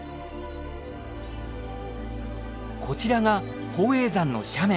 こちらが宝永山の斜面。